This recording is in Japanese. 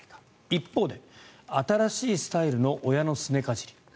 一方で新しいスタイルの親のすねかじり。